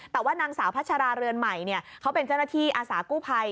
แต่ว่านางสาวพัชราเรือนใหม่เขาเป็นเจ้าหน้าที่อาสากู้ภัย